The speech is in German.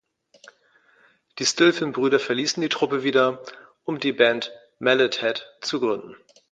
Die Stilphen-Brüder verließen die Truppe wieder, um die Band Mallet-Head zu gründen.